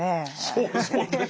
そうですそうです。